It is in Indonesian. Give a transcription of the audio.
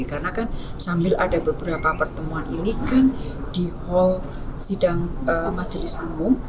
karena kan sambil ada beberapa pertemuan ini kan di hall sidang majelis umum